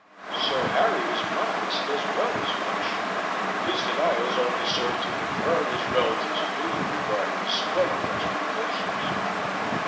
So Harry was modest as well as rich! His denials only served to confirm his relatives' opinion regarding his splendid expectations.